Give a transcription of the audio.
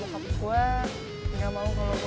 bukankah kita dadahin bentar